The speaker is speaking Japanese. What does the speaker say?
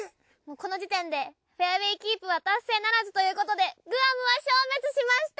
この時点でフェアウェイキープは達成ならずということでグアムは消滅しました！